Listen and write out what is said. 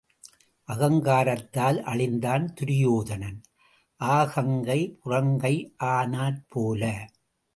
அகங்காரத்தால் அழிந்தான் துரியோதனன், அகங்கை புறங்கை ஆனாற் போல.